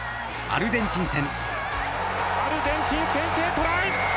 アルゼンチン先制トライ！